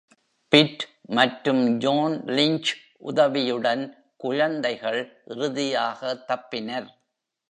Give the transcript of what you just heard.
Pitt மற்றும் John Lynch உதவியுடன், குழந்தைகள் இறுதியாக தப்பினர்.